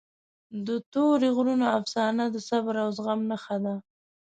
د تورې غرونو افسانه د صبر او زغم نښه ده.